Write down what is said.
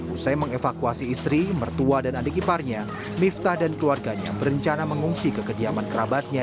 usai mengevakuasi istri mertua dan adik iparnya miftah dan keluarganya berencana mengungsi ke kediaman kerabatnya